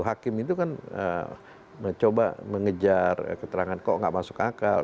hakim itu kan mencoba mengejar keterangan kok nggak masuk akal